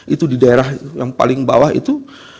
itu di daerah yang paling bawah itu